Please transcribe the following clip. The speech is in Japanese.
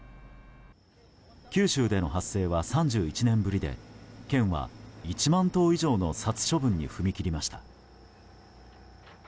九州での発生は３１年ぶりで県は１万頭以上の殺処分に踏み切りました。